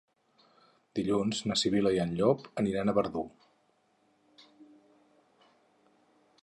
Dilluns na Sibil·la i en Llop aniran a Verdú.